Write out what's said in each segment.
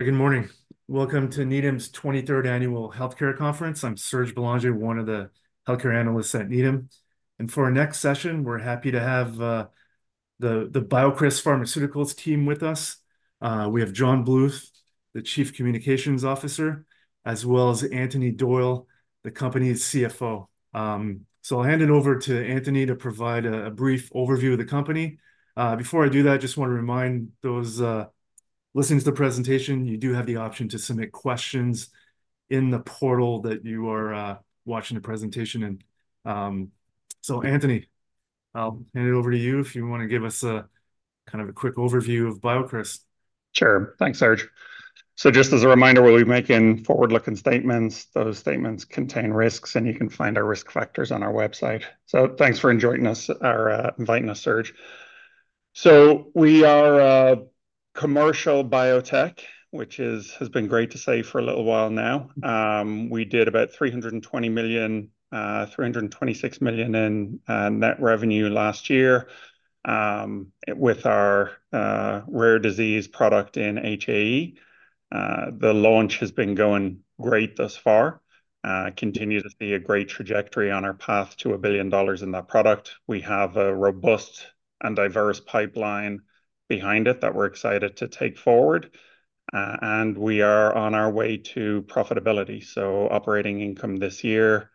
Good morning. Welcome to Needham's 23rd annual healthcare conference. I'm Serge Belanger, one of the healthcare analysts at Needham. For our next session, we're happy to have the BioCryst Pharmaceuticals team with us. We have John Bluth, the Chief Communications Officer, as well as Anthony Doyle, the company's CFO. I'll hand it over to Anthony to provide a brief overview of the company. Before I do that, I just want to remind those listening to the presentation, you do have the option to submit questions in the portal that you are watching the presentation in. Anthony, I'll hand it over to you if you want to give us a kind of a quick overview of BioCryst. Sure. Thanks, Serge. So just as a reminder, we'll be making forward-looking statements. Those statements contain risks, and you can find our risk factors on our website. So thanks for having us, inviting us, Serge. So we are commercial biotech, which has been great to say for a little while now. We did about $320 million, $326 million in net revenue last year, with our rare disease product in HAE. The launch has been going great thus far. Continue to see a great trajectory on our path to $1 billion in that product. We have a robust and diverse pipeline behind it that we're excited to take forward. And we are on our way to profitability, so operating income this year,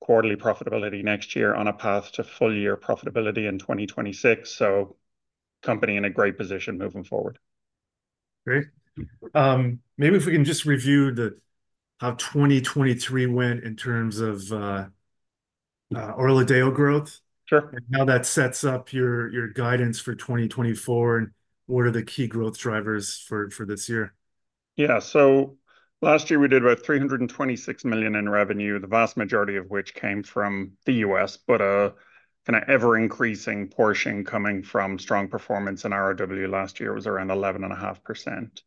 quarterly profitability next year, on a path to full-year profitability in 2026. So company in a great position moving forward. Great. Maybe if we can just review how 2023 went in terms of ORLADEYO growth. Sure. How that sets up your guidance for 2024 and what are the key growth drivers for this year? Yeah. So last year we did about $326 million in revenue, the vast majority of which came from the US, but a kind of ever-increasing portion coming from strong performance in ROW. Last year it was around 11.5%.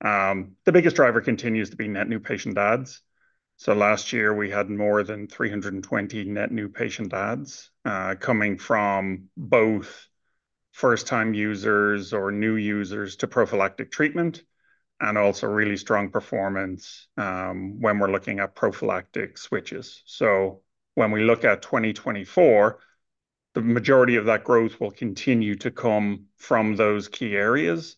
The biggest driver continues to be net new patient adds. So last year we had more than 320 net new patient adds, coming from both first-time users or new users to prophylactic treatment, and also really strong performance, when we're looking at prophylactic switches. So when we look at 2024, the majority of that growth will continue to come from those key areas.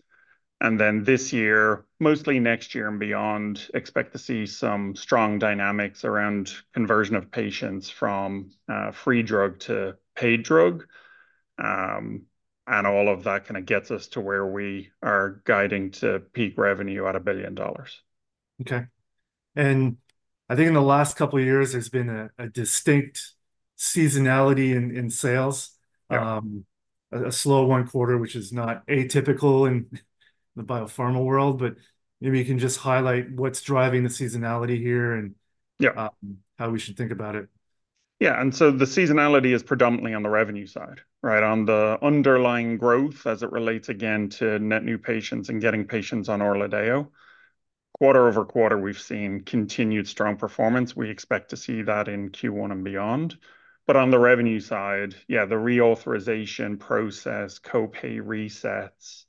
And then this year, mostly next year and beyond, expect to see some strong dynamics around conversion of patients from free drug to paid drug. And all of that kind of gets us to where we are guiding to peak revenue at $1 billion. Okay. And I think in the last couple of years there's been a distinct seasonality in sales, a slow one-quarter, which is not atypical in the biopharma world. But maybe you can just highlight what's driving the seasonality here and how we should think about it. Yeah. So the seasonality is predominantly on the revenue side, right, on the underlying growth as it relates, again, to net new patients and getting patients on ORLADEYO. Quarter-over-quarter we've seen continued strong performance. We expect to see that in Q1 and beyond. But on the revenue side, yeah, the reauthorization process, copay resets,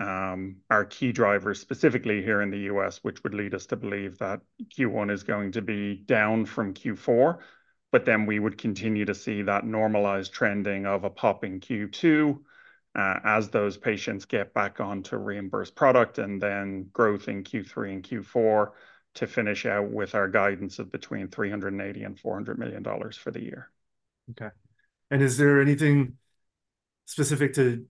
are key drivers specifically here in the U.S., which would lead us to believe that Q1 is going to be down from Q4. But then we would continue to see that normalized trending of a pop in Q2, as those patients get back on to reimburse product and then growth in Q3 and Q4 to finish out with our guidance of between $380 million and $400 million for the year. Okay. Is there anything specific to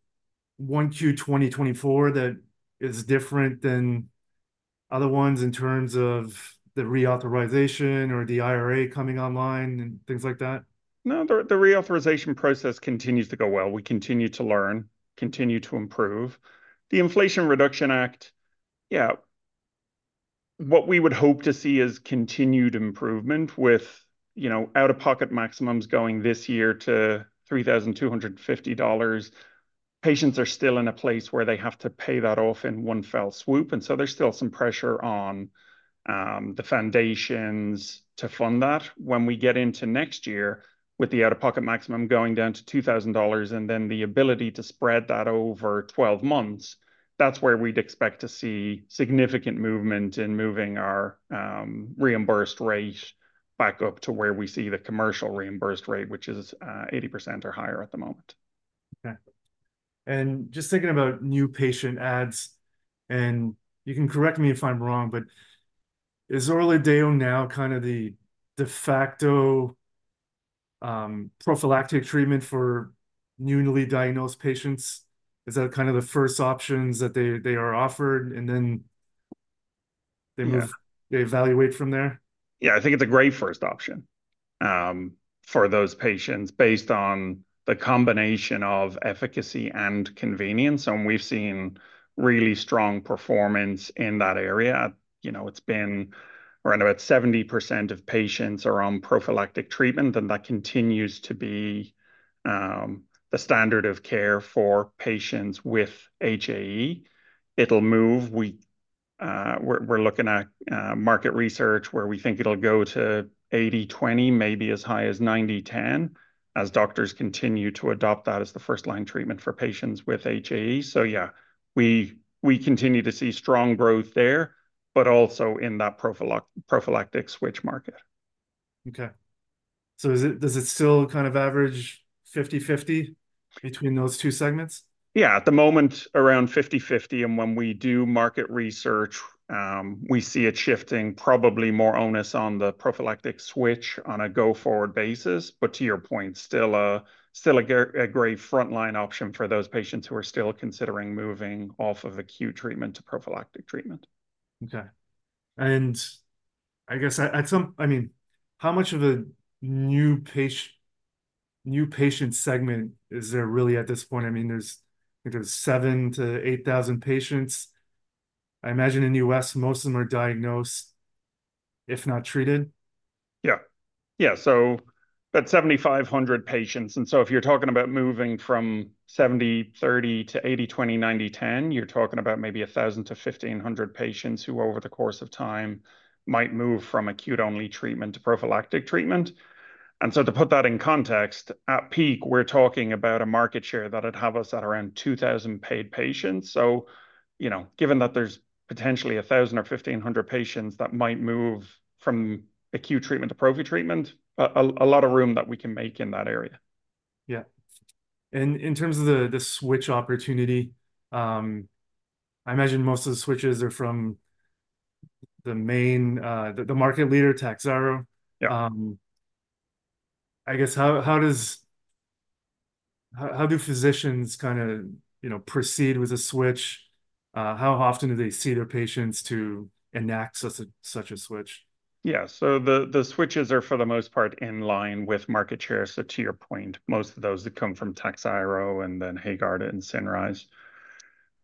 1Q 2024 that is different than other ones in terms of the reauthorization or the IRA coming online and things like that? No, the reauthorization process continues to go well. We continue to learn, continue to improve. The Inflation Reduction Act, yeah, what we would hope to see is continued improvement with, you know, out-of-pocket maximums going this year to $3,250. Patients are still in a place where they have to pay that off in one fell swoop. And so there's still some pressure on, the foundations to fund that. When we get into next year with the out-of-pocket maximum going down to $2,000 and then the ability to spread that over 12 months, that's where we'd expect to see significant movement in moving our, reimbursed rate back up to where we see the commercial reimbursed rate, which is, 80% or higher at the moment. Okay. And just thinking about new patient ads, and you can correct me if I'm wrong, but is ORLADEYO now kind of the de facto, prophylactic treatment for newly diagnosed patients? Is that kind of the first options that they are offered and then they evaluate from there? Yeah, I think it's a great first option for those patients based on the combination of efficacy and convenience. And we've seen really strong performance in that area. You know, it's been around about 70% of patients are on prophylactic treatment, and that continues to be the standard of care for patients with HAE. It'll move. We're looking at market research where we think it'll go to 80/20, maybe as high as 90/10, as doctors continue to adopt that as the first-line treatment for patients with HAE. So yeah, we continue to see strong growth there, but also in that prophylactic switch market. Okay. So is it still kind of average 50/50 between those two segments? Yeah, at the moment, around 50/50. And when we do market research, we see it shifting probably more onus on the prophylactic switch on a go-forward basis. But to your point, still a great frontline option for those patients who are still considering moving off of acute treatment to prophylactic treatment. Okay. And I guess at some I mean, how much of a new patient segment is there really at this point? I mean, there's I think there's 7,000-8,000 patients. I imagine in the U.S., most of them are diagnosed, if not treated. Yeah. Yeah. About 7,500 patients. If you're talking about moving from 70/30 to 80/20/90/10, you're talking about maybe 1,000 to 1,500 patients who over the course of time might move from acute-only treatment to prophylactic treatment. To put that in context, at peak, we're talking about a market share that would have us at around 2,000 paid patients. You know, given that there's potentially 1,000 or 1,500 patients that might move from acute treatment to prophy treatment, a lot of room that we can make in that area. Yeah. And in terms of the switch opportunity, I imagine most of the switches are from the main, the market leader, Takhzyro. I guess how do physicians kind of, you know, proceed with a switch? How often do they see their patients to enact such a switch? Yeah. So the switches are for the most part in line with market share. So to your point, most of those that come from Takhzyro and then Haegarda and Cinryze,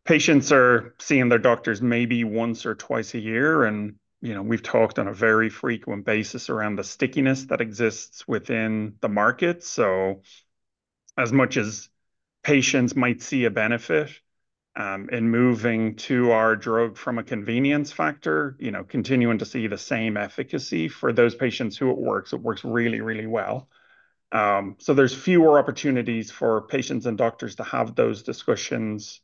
patients are seeing their doctors maybe once or twice a year. And, you know, we've talked on a very frequent basis around the stickiness that exists within the market. So as much as patients might see a benefit in moving to our drug from a convenience factor, you know, continuing to see the same efficacy for those patients who it works, it works really, really well. So there's fewer opportunities for patients and doctors to have those discussions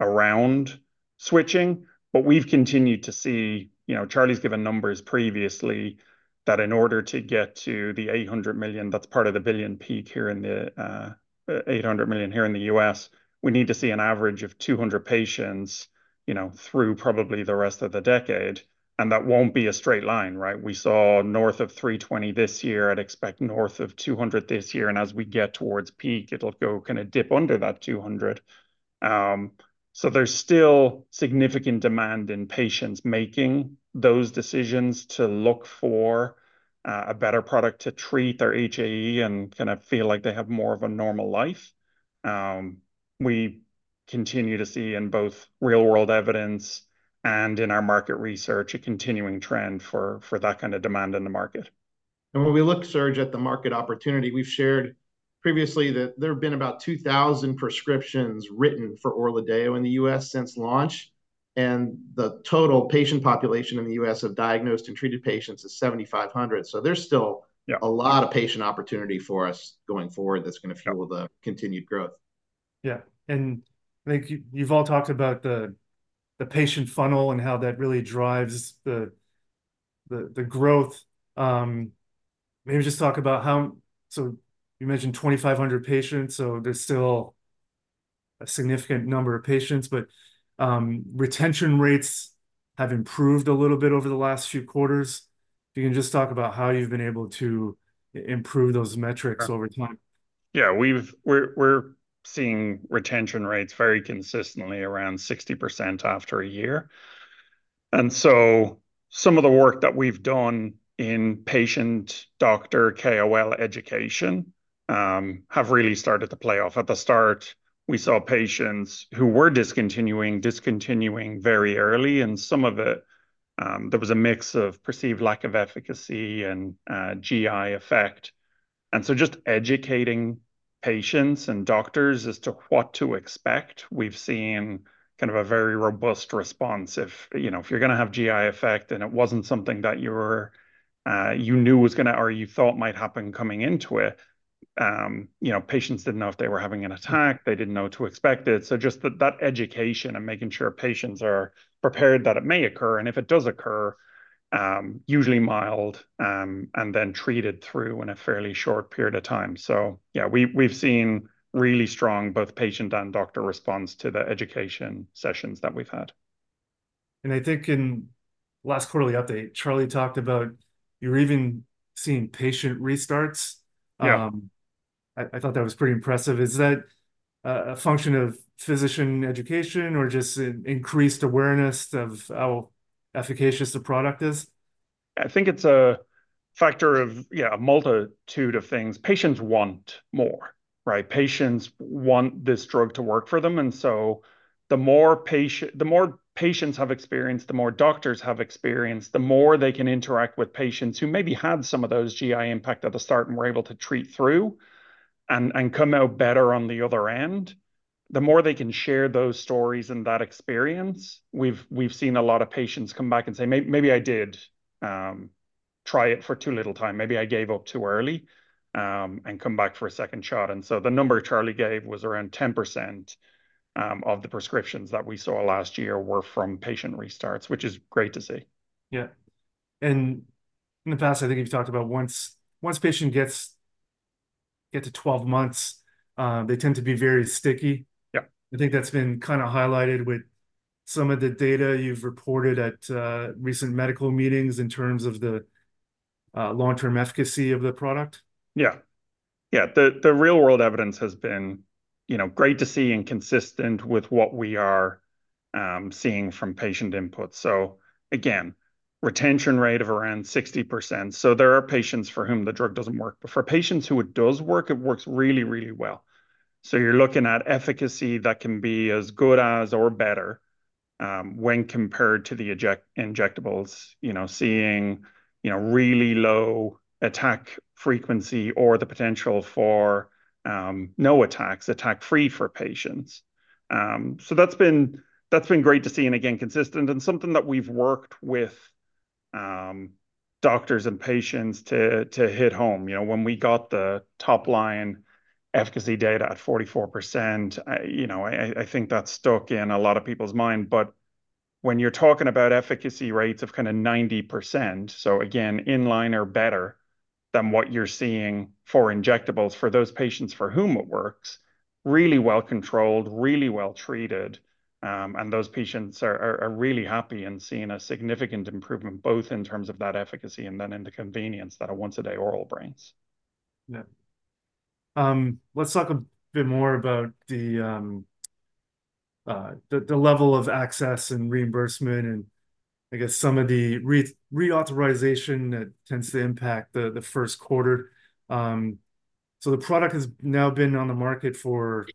around switching. But we've continued to see, you know, Charlie's given numbers previously, that in order to get to the $800 million, that's part of the $1 billion peak here in the, $800 million here in the U.S., we need to see an average of 200 patients, you know, through probably the rest of the decade. And that won't be a straight line, right? We saw north of 320 this year. I'd expect north of 200 this year. And as we get towards peak, it'll go kind of dip under that 200. So there's still significant demand in patients making those decisions to look for, a better product to treat their HAE and kind of feel like they have more of a normal life. We continue to see in both real-world evidence and in our market research a continuing trend for that kind of demand in the market. When we look, Serge, at the market opportunity, we've shared previously that there have been about 2,000 prescriptions written for ORLADEYO in the U.S. since launch. The total patient population in the U.S. of diagnosed and treated patients is 7,500. So there's still a lot of patient opportunity for us going forward that's going to fuel the continued growth. Yeah. I think you've all talked about the patient funnel and how that really drives the growth. Maybe just talk about how, so you mentioned 2,500 patients. So there's still a significant number of patients, but retention rates have improved a little bit over the last few quarters. If you can just talk about how you've been able to improve those metrics over time. Yeah, we're seeing retention rates very consistently around 60% after a year. And so some of the work that we've done in patient-doctor KOL education has really started to play off. At the start, we saw patients who were discontinuing very early. And some of it, there was a mix of perceived lack of efficacy and GI effect. And so just educating patients and doctors as to what to expect, we've seen kind of a very robust response. If, you know, if you're going to have GI effect and it wasn't something that you were, you knew was going to or you thought might happen coming into it, you know, patients didn't know if they were having an attack. They didn't know to expect it. So just that education and making sure patients are prepared that it may occur. And if it does occur, usually mild, and then treated through in a fairly short period of time. So yeah, we've seen really strong both patient and doctor response to the education sessions that we've had. I think in last quarterly update, Charlie talked about you're even seeing patient restarts. I thought that was pretty impressive. Is that a function of physician education or just increased awareness of how efficacious the product is? I think it's a factor of, yeah, a multitude of things. Patients want more, right? Patients want this drug to work for them. And so the more patients have experienced, the more doctors have experienced, the more they can interact with patients who maybe had some of those GI impact at the start and were able to treat through and come out better on the other end, the more they can share those stories and that experience. We've seen a lot of patients come back and say, "Maybe I did, try it for too little time. Maybe I gave up too early, and come back for a second shot." And so the number Charlie gave was around 10%, of the prescriptions that we saw last year were from patient restarts, which is great to see. Yeah. And in the past, I think you've talked about once patients get to 12 months, they tend to be very sticky. Yeah, I think that's been kind of highlighted with some of the data you've reported at recent medical meetings in terms of the long-term efficacy of the product. Yeah. Yeah. The real-world evidence has been, you know, great to see and consistent with what we are seeing from patient input. So again, retention rate of around 60%. So there are patients for whom the drug doesn't work. But for patients who it does work, it works really, really well. So you're looking at efficacy that can be as good as or better when compared to the injectables, you know, seeing, you know, really low attack frequency or the potential for no attacks, attack-free for patients. So that's been great to see. And again, consistent and something that we've worked with doctors and patients to hit home. You know, when we got the top-line efficacy data at 44%, you know, I think that stuck in a lot of people's mind. But when you're talking about efficacy rates of kind of 90%, so again, in line or better than what you're seeing for injectables for those patients for whom it works, really well controlled, really well treated, and those patients are really happy and seeing a significant improvement both in terms of that efficacy and then in the convenience that a once-a-day oral brings. Yeah. Let's talk a bit more about the level of access and reimbursement and I guess some of the reauthorization that tends to impact the first quarter. So the product has now been on the market for,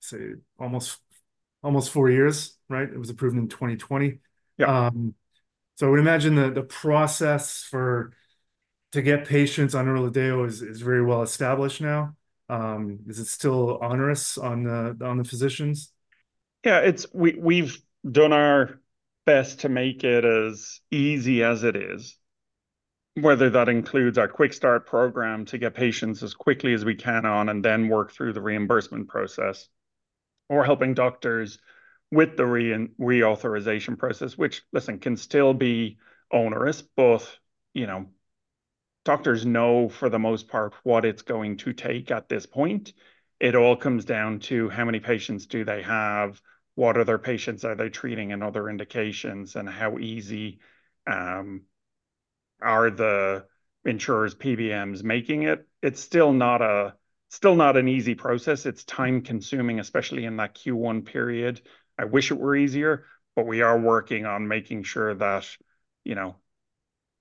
say, almost four years, right? It was approved in 2020. So I would imagine the process for to get patients on ORLADEYO is very well established now. Is it still onerous on the physicians? Yeah, it's, we've done our best to make it as easy as it is, whether that includes our quick start program to get patients as quickly as we can on and then work through the reimbursement process or helping doctors with the reauthorization process, which, listen, can still be onerous. Both, you know, doctors know for the most part what it's going to take at this point. It all comes down to how many patients do they have, what other patients are they treating and other indications, and how easy are the insurers, PBMs, making it. It's still not an easy process. It's time-consuming, especially in that Q1 period. I wish it were easier, but we are working on making sure that, you know,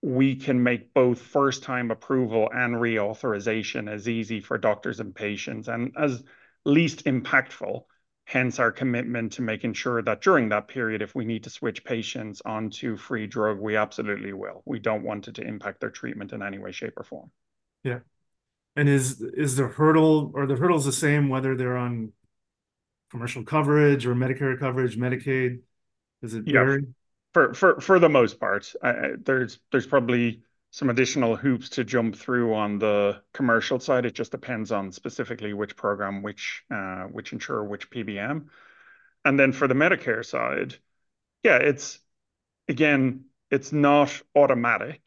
we can make both first-time approval and reauthorization as easy for doctors and patients and as least impactful. Hence, our commitment to making sure that during that period, if we need to switch patients onto free drug, we absolutely will. We don't want it to impact their treatment in any way, shape, or form. Yeah. And are the hurdles the same whether they're on commercial coverage or Medicare coverage, Medicaid? Is it varied? Yeah. For the most part, there's probably some additional hoops to jump through on the commercial side. It just depends on specifically which program, which insurer, which PBM. And then for the Medicare side, yeah, it's again, it's not automatic.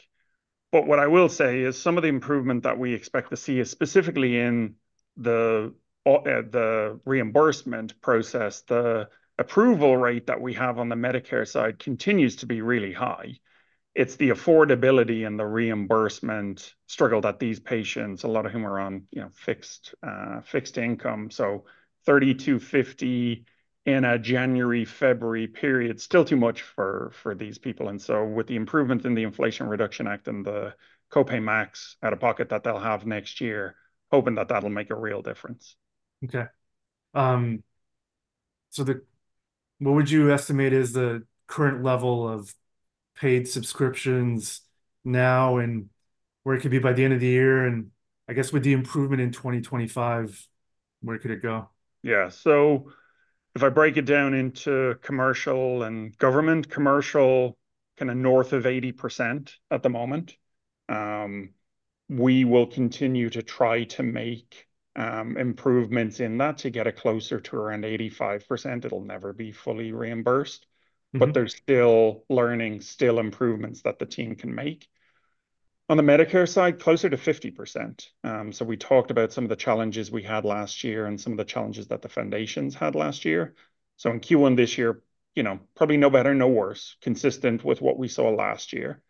But what I will say is some of the improvement that we expect to see is specifically in the reimbursement process. The approval rate that we have on the Medicare side continues to be really high. It's the affordability and the reimbursement struggle that these patients, a lot of whom are on, you know, fixed income. So $32.50 in a January, February period, still too much for these people. And so with the improvements in the Inflation Reduction Act and the copay max out-of-pocket that they'll have next year, hoping that that'll make a real difference. Okay. So what would you estimate is the current level of paid subscriptions now and where it could be by the end of the year? And I guess with the improvement in 2025, where could it go? Yeah. So if I break it down into commercial and government, commercial kind of north of 80% at the moment, we will continue to try to make improvements in that to get closer to around 85%. It'll never be fully reimbursed, but there's still learning, still improvements that the team can make. On the Medicare side, closer to 50%. So we talked about some of the challenges we had last year and some of the challenges that the foundations had last year. So in Q1 this year, you know, probably no better, no worse, consistent with what we saw last year.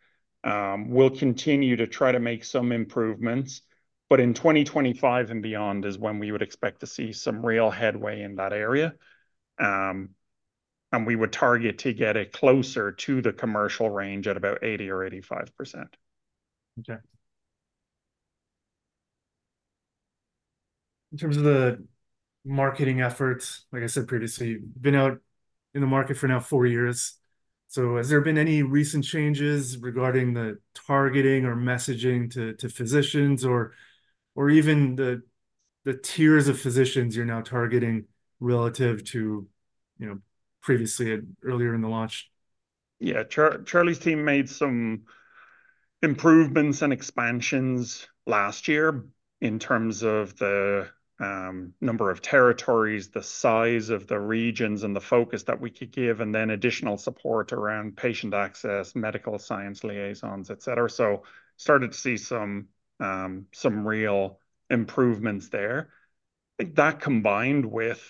We'll continue to try to make some improvements, but in 2025 and beyond is when we would expect to see some real headway in that area. And we would target to get closer to the commercial range at about 80 or 85%. Okay. In terms of the marketing efforts, like I said previously, you've been out in the market for now four years. Has there been any recent changes regarding the targeting or messaging to physicians or even the tiers of physicians you're now targeting relative to, you know, previously earlier in the launch? Yeah, Charlie's team made some improvements and expansions last year in terms of the number of territories, the size of the regions, and the focus that we could give, and then additional support around patient access, medical science liaisons, etc. So started to see some real improvements there. I think that combined with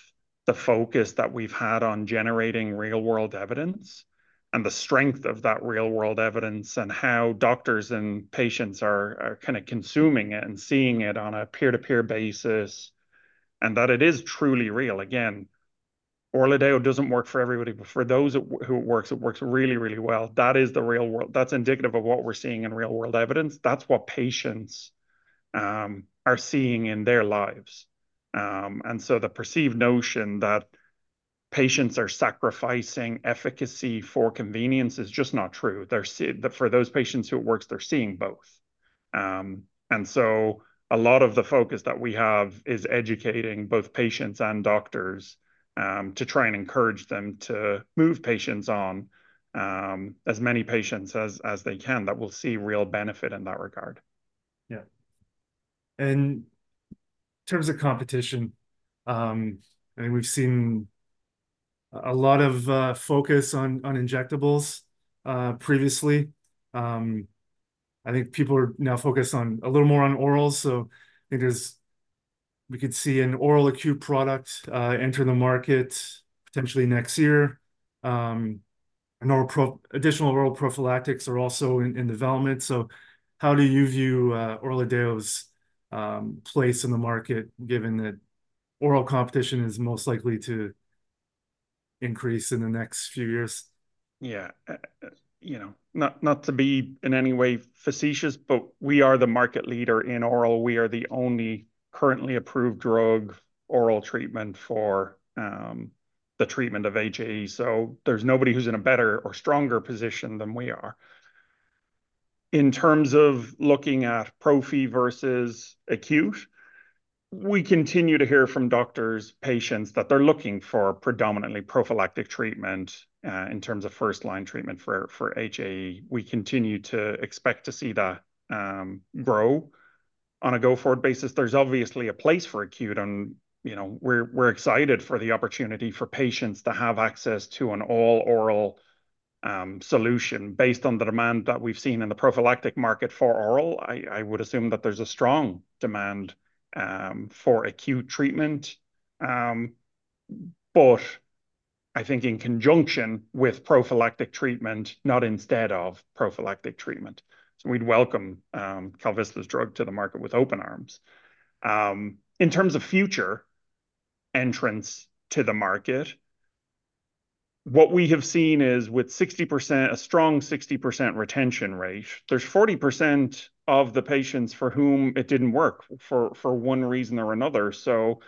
the focus that we've had on generating real-world evidence and the strength of that real-world evidence and how doctors and patients are kind of consuming it and seeing it on a peer-to-peer basis and that it is truly real. Again, ORLADEYO doesn't work for everybody, but for those who it works, it works really, really well. That is the real world. That's indicative of what we're seeing in real-world evidence. That's what patients are seeing in their lives. And so the perceived notion that patients are sacrificing efficacy for convenience is just not true. For those patients who it works, they're seeing both. And so a lot of the focus that we have is educating both patients and doctors to try and encourage them to move patients on as many patients as they can that will see real benefit in that regard. Yeah. In terms of competition, I think we've seen a lot of focus on injectables previously. I think people are now focused on a little more on orals. So I think we could see an oral acute product enter the market potentially next year. Additional oral prophylactics are also in development. So how do you view ORLADEYO's place in the market given that oral competition is most likely to increase in the next few years? Yeah. You know, not to be in any way facetious, but we are the market leader in oral. We are the only currently approved drug oral treatment for the treatment of HAE. So there's nobody who's in a better or stronger position than we are. In terms of looking at prophy versus acute, we continue to hear from doctors, patients, that they're looking for predominantly prophylactic treatment in terms of first-line treatment for HAE. We continue to expect to see that grow on a go-forward basis. There's obviously a place for acute. And, you know, we're excited for the opportunity for patients to have access to an all-oral solution based on the demand that we've seen in the prophylactic market for oral. I would assume that there's a strong demand for acute treatment. But I think in conjunction with prophylactic treatment, not instead of prophylactic treatment. We'd welcome KalVista's drug to the market with open arms. In terms of future entrance to the market, what we have seen is with a strong 60% retention rate, there's 40% of the patients for whom it didn't work for one reason or another. So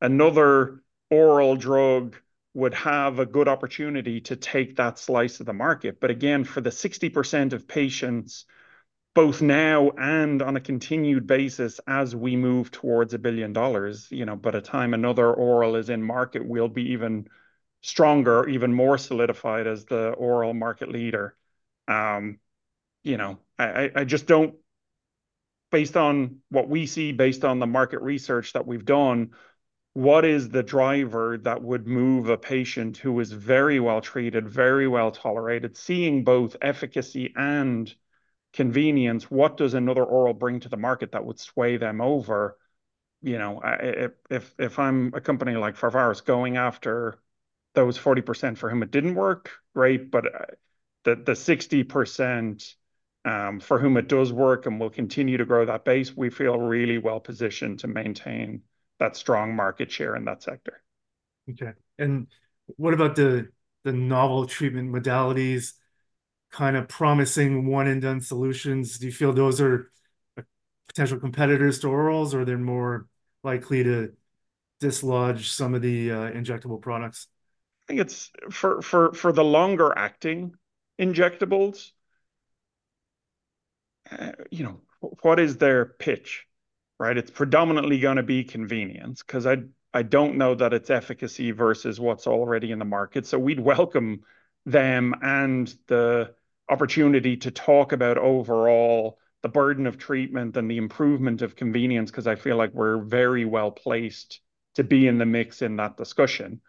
another oral drug would have a good opportunity to take that slice of the market. But again, for the 60% of patients, both now and on a continued basis as we move toward $1 billion, you know, by the time another oral is in market, we'll be even stronger, even more solidified as the oral market leader. You know, I just don't based on what we see, based on the market research that we've done, what is the driver that would move a patient who is very well treated, very well tolerated, seeing both efficacy and convenience? What does another oral bring to the market that would sway them over? You know, if I'm a company like Pharvaris going after those 40% for whom it didn't work, great, but the 60% for whom it does work and will continue to grow that base, we feel really well positioned to maintain that strong market share in that sector. Okay. What about the novel treatment modalities, kind of promising one-and-done solutions? Do you feel those are potential competitors to orals, or are they more likely to dislodge some of the injectable products? I think it's for the longer-acting injectables, you know, what is their pitch, right? It's predominantly going to be convenience because I don't know that it's efficacy versus what's already in the market. So we'd welcome them and the opportunity to talk about overall the burden of treatment and the improvement of convenience because I feel like we're very well placed to be in the mix in that discussion.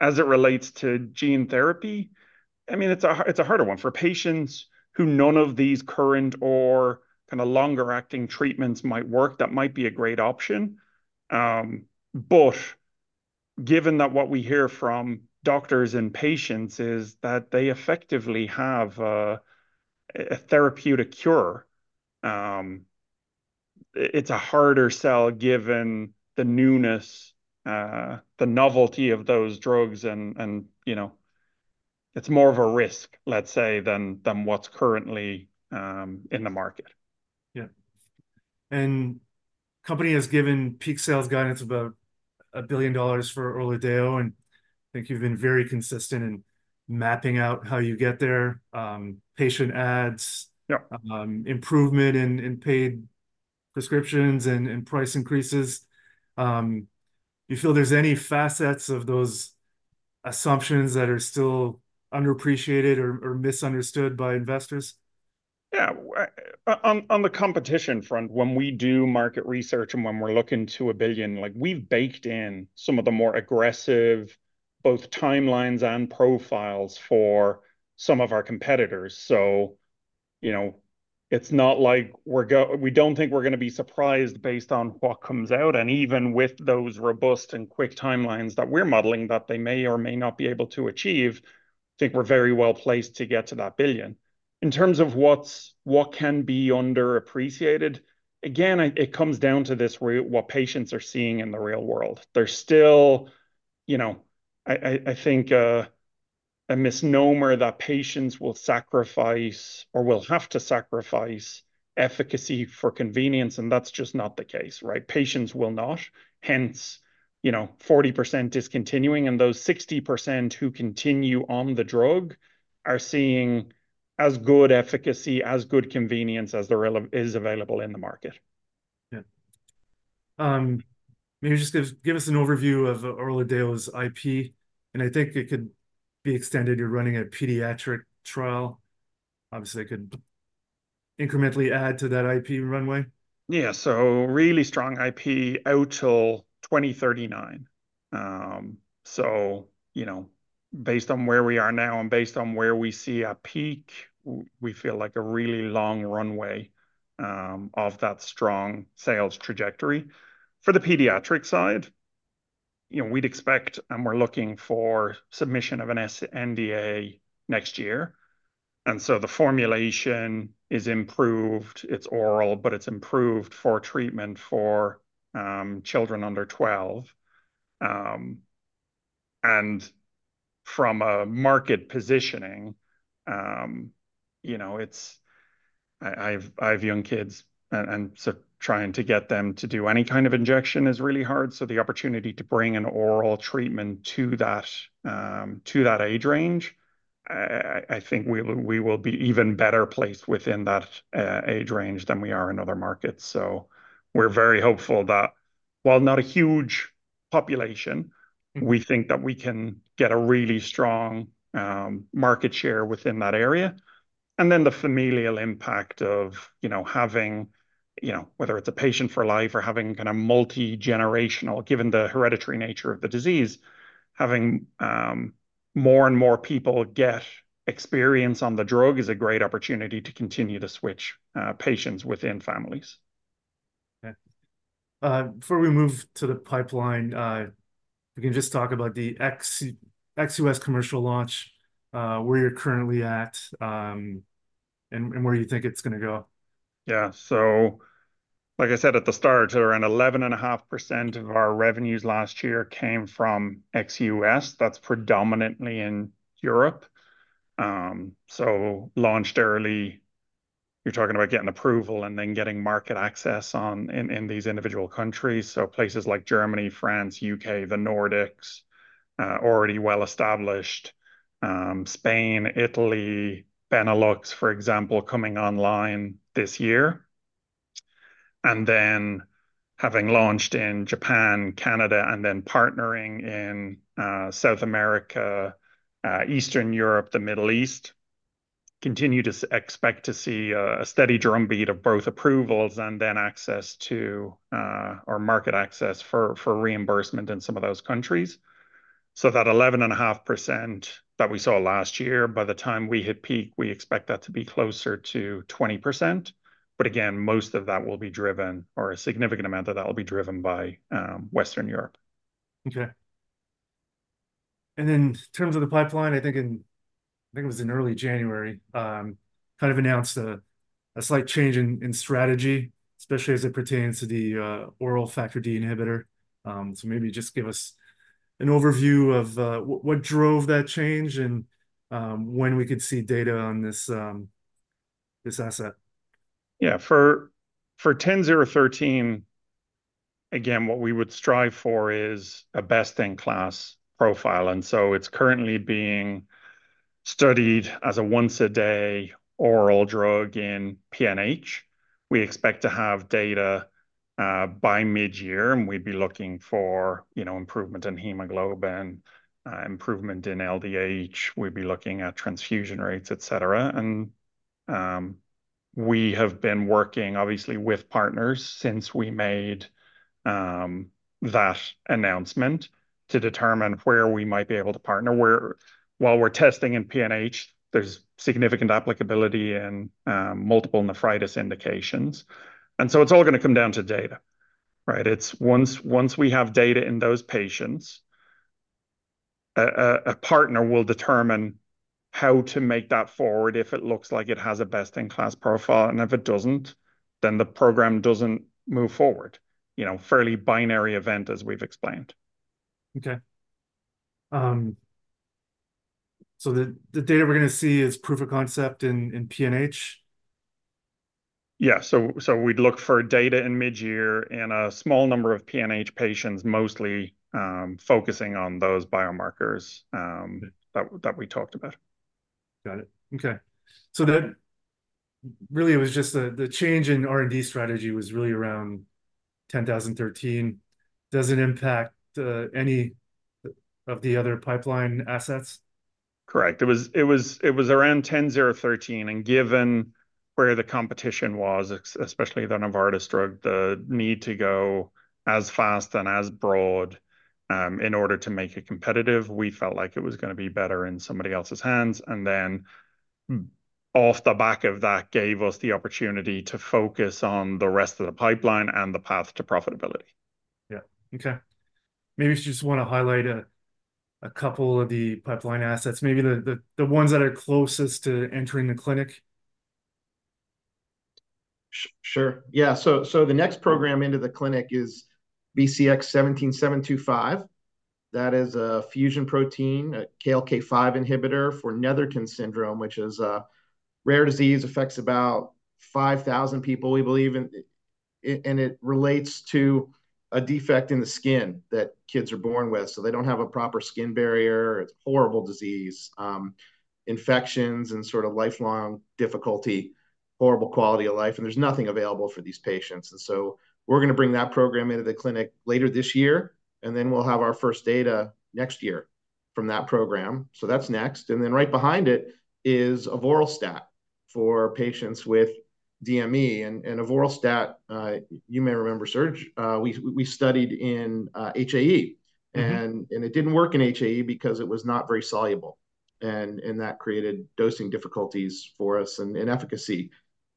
As it relates to gene therapy, I mean, it's a harder one. For patients who none of these current or kind of longer-acting treatments might work, that might be a great option. But given that what we hear from doctors and patients is that they effectively have a therapeutic cure, it's a harder sell given the newness, the novelty of those drugs. And, you know, it's more of a risk, let's say, than what's currently in the market. Yeah. The company has given peak sales guidance about $1 billion for ORLADEYO. I think you've been very consistent in mapping out how you get there, patient adds, improvement in paid prescriptions, and price increases. Do you feel there's any facets of those assumptions that are still underappreciated or misunderstood by investors? Yeah. On the competition front, when we do market research and when we're looking to $1 billion, we've baked in some of the more aggressive both timelines and profiles for some of our competitors. So, you know, it's not like we don't think we're going to be surprised based on what comes out. And even with those robust and quick timelines that we're modeling that they may or may not be able to achieve, I think we're very well placed to get to that $1 billion. In terms of what can be underappreciated, again, it comes down to what patients are seeing in the real world. There's still, you know, I think a misnomer that patients will sacrifice or will have to sacrifice efficacy for convenience. And that's just not the case, right? Patients will not. Hence, you know, 40% discontinuing. Those 60% who continue on the drug are seeing as good efficacy, as good convenience as there is available in the market. Yeah. Maybe just give us an overview of ORLADEYO's IP. I think it could be extended. You're running a pediatric trial. Obviously, it could incrementally add to that IP runway. Yeah. So really strong IP out till 2039. So, you know, based on where we are now and based on where we see a peak, we feel like a really long runway of that strong sales trajectory. For the pediatric side, you know, we'd expect and we're looking for submission of an NDA next year. And so the formulation is improved. It's oral, but it's improved for treatment for children under 12. And from a market positioning, you know, I have young kids, and so trying to get them to do any kind of injection is really hard. So the opportunity to bring an oral treatment to that age range, I think we will be even better placed within that age range than we are in other markets. We're very hopeful that while not a huge population, we think that we can get a really strong market share within that area. Then the familial impact of, you know, having, you know, whether it's a patient for life or having kind of multi-generational, given the hereditary nature of the disease, having more and more people get experience on the drug is a great opportunity to continue to switch patients within families. Okay. Before we move to the pipeline, if we can just talk about the ex-U.S. commercial launch, where you're currently at and where you think it's going to go. Yeah. So like I said at the start, around 11.5% of our revenues last year came from ex-U.S. That's predominantly in Europe. So launched early, you're talking about getting approval and then getting market access in these individual countries. So places like Germany, France, U.K., the Nordics, already well-established, Spain, Italy, Benelux, for example, coming online this year. And then having launched in Japan, Canada, and then partnering in South America, Eastern Europe, the Middle East, continue to expect to see a steady drumbeat of both approvals and then access to or market access for reimbursement in some of those countries. So that 11.5% that we saw last year, by the time we hit peak, we expect that to be closer to 20%. But again, most of that will be driven or a significant amount of that will be driven by Western Europe. Okay. Then in terms of the pipeline, I think it was in early January, kind of announced a slight change in strategy, especially as it pertains to the oral factor D inhibitor. So maybe just give us an overview of what drove that change and when we could see data on this asset? Yeah. For BCX10013, again, what we would strive for is a best-in-class profile. And so it's currently being studied as a once-a-day oral drug in PNH. We expect to have data by mid-year, and we'd be looking for improvement in hemoglobin, improvement in LDH. We'd be looking at transfusion rates, etc. And we have been working, obviously, with partners since we made that announcement to determine where we might be able to partner. While we're testing in PNH, there's significant applicability in lupus nephritis indications. And so it's all going to come down to data, right? Once we have data in those patients, a partner will determine how to move that forward if it looks like it has a best-in-class profile. And if it doesn't, then the program doesn't move forward. You know, fairly binary event, as we've explained. Okay. So the data we're going to see is proof of concept in PNH? Yeah. So we'd look for data in mid-year in a small number of PNH patients, mostly focusing on those biomarkers that we talked about. Got it. Okay. So really, it was just the change in R&D strategy was really around BCX10013. Does it impact any of the other pipeline assets? Correct. It was around 10/013. And given where the competition was, especially the Novartis drug, the need to go as fast and as broad in order to make it competitive, we felt like it was going to be better in somebody else's hands. And then off the back of that gave us the opportunity to focus on the rest of the pipeline and the path to profitability. Yeah. Okay. Maybe I just want to highlight a couple of the pipeline assets, maybe the ones that are closest to entering the clinic. Sure. Yeah. So the next program into the clinic is BCX17725. That is a fusion protein, a KLK5 inhibitor for Netherton syndrome, which is a rare disease, affects about 5,000 people, we believe. And it relates to a defect in the skin that kids are born with. So they don't have a proper skin barrier. It's a horrible disease, infections, and sort of lifelong difficulty, horrible quality of life. And there's nothing available for these patients. And so we're going to bring that program into the clinic later this year. And then we'll have our first data next year from that program. So that's next. And then right behind it is avoralstatfor patients with DME. And avoralstat, you may remember, we studied in HAE. And it didn't work in HAE because it was not very soluble. And that created dosing difficulties for us and inefficacy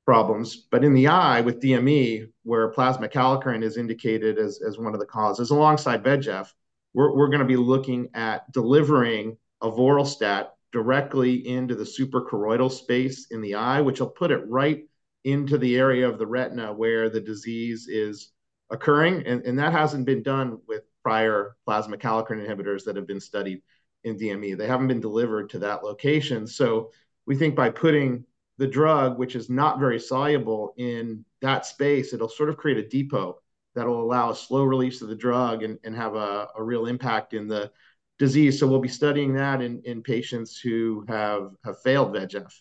problems. But in the eye with DME, where plasma kallikrein is indicated as one of the causes, alongside VEGF, we're going to be looking at delivering avoralstat directly into the superchoroidal space in the eye, which will put it right into the area of the retina where the disease is occurring. And that hasn't been done with prior plasma kallikrein inhibitors that have been studied in DME. They haven't been delivered to that location. So we think by putting the drug, which is not very soluble, in that space, it'll sort of create a depot that'll allow a slow release of the drug and have a real impact in the disease. So we'll be studying that in patients who have failed VEGF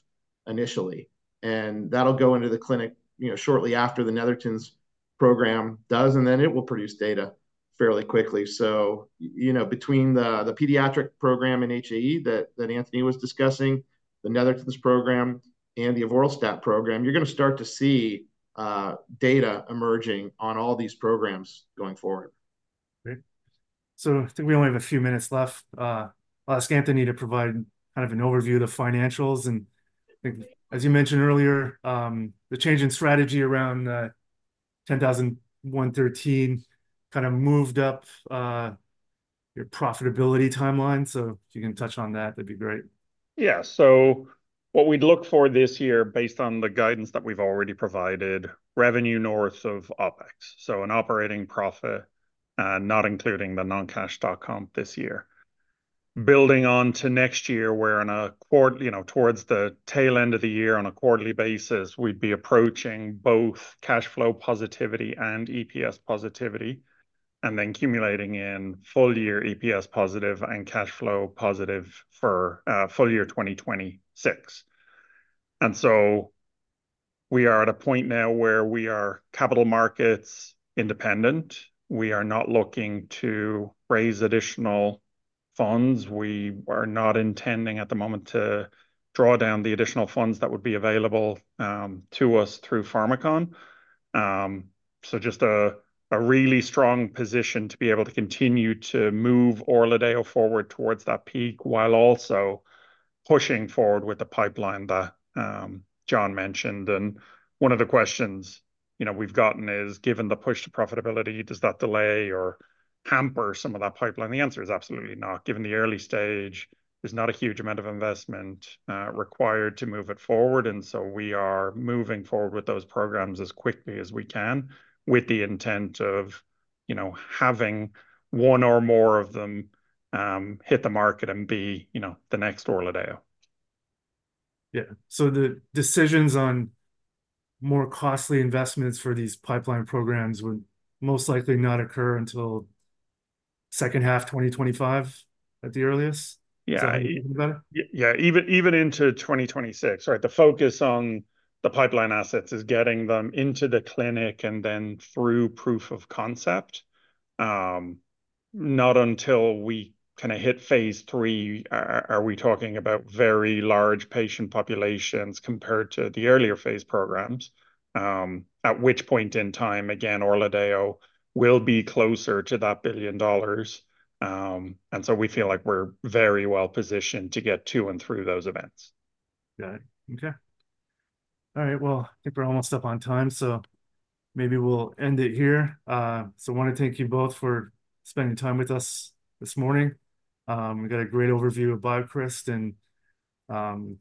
initially. And that'll go into the clinic shortly after the Netherton's program does. And then it will produce data fairly quickly. You know, between the pediatric program in HAE that Anthony was discussing, the Netherton's program, and the avoralstat program, you're going to start to see data emerging on all these programs going forward. Great. So I think we only have a few minutes left. I'll ask Anthony to provide kind of an overview of the financials. And I think, as you mentioned earlier, the change in strategy around 10013 kind of moved up your profitability timeline. So if you can touch on that, that'd be great. Yeah. So what we'd look for this year, based on the guidance that we've already provided, revenue north of OpEx, so an operating profit, not including the non-cash stock comp this year. Building onto next year, we're on track, you know, towards the tail end of the year on a quarterly basis, we'd be approaching both cash flow positivity and EPS positivity, and then culminating in full-year EPS positive and cash flow positive for full year 2026. And so we are at a point now where we are capital markets independent. We are not looking to raise additional funds. We are not intending at the moment to draw down the additional funds that would be available to us through Pharmakon. So just a really strong position to be able to continue to move ORLADEYO forward towards that peak while also pushing forward with the pipeline that John mentioned. One of the questions, you know, we've gotten is, given the push to profitability, does that delay or hamper some of that pipeline? The answer is absolutely not. Given the early stage, there's not a huge amount of investment required to move it forward. And so we are moving forward with those programs as quickly as we can with the intent of, you know, having one or more of them hit the market and be, you know, the next ORLADEYO. Yeah. So the decisions on more costly investments for these pipeline programs would most likely not occur until second half 2025 at the earliest? Yeah. Yeah. Even into 2026, right? The focus on the pipeline assets is getting them into the clinic and then through proof of concept. Not until we kind of hit phase 3 are we talking about very large patient populations compared to the earlier phase programs. At which point in time, again, ORLADEYO will be closer to that $1 billion. And so we feel like we're very well positioned to get to and through those events. Got it. Okay. All right. Well, I think we're almost up on time. Maybe we'll end it here. I want to thank you both for spending time with us this morning. We got a great overview of BioCryst, and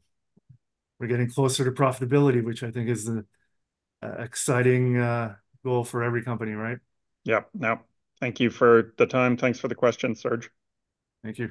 we're getting closer to profitability, which I think is an exciting goal for every company, right? Yep. Yep. Thank you for the time. Thanks for the questions, Serge. Thank you.